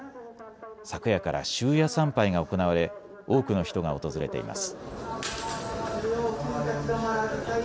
昨夜から終夜参拝が行われ多くの人が訪れています。